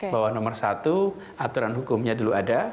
bahwa nomor satu aturan hukumnya dulu ada